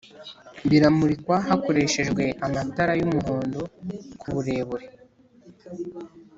biramurikwa hakoreshejwe amatara y' uhondo kuburebure